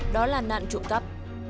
đó là nạn trộm cắp